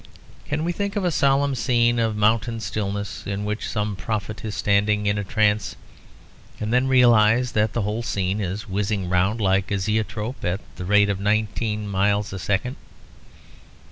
Can we think of a solemn scene of mountain stillness in which some prophet is standing in a trance, and then realize that the whole scene is whizzing round like a zoetrope at the rate of nineteen miles a second?